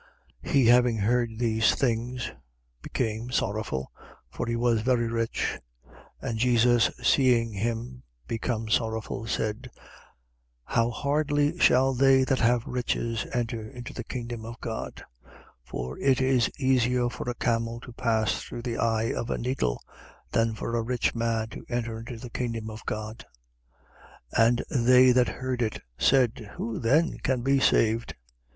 18:23. He having heard these things, became sorrowful: for he was very rich. 18:24. And Jesus seeing him become sorrowful, said: How hardly shall they that have riches enter into the kingdom of God 18:25. For it is easier for a camel to pass through the eye of a needle than for a rich man to enter into the kingdom of God. 18:26. And they that heard it said: Who then can be saved?